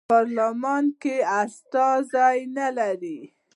پارلمان کې استازي نه لرل.